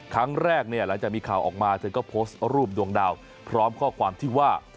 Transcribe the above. ครั้งแรกเนี่ยหลังจากมีข่าวออกมาเธอก็โพสต์รูปดวงดาวพร้อมข้อความที่ว่า